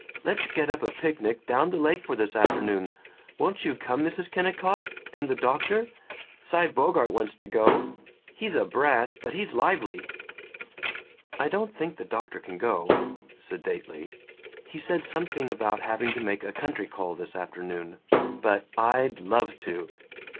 Let's get up a picnic down the lake for this afternoon. Won't you come, Mrs. Kennicott, and the doctor? Cy Bogart wants to go he's a brat but he's lively." "I don't think the doctor can go," sedately. "He said something about having to make a country call this afternoon. But I'd love to."